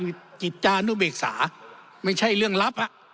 มีในพระราชจิตจานุเบกษาไม่ใช่เรื่องลับ